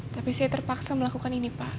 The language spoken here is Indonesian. tapi saya terpaksa melakukan ini pak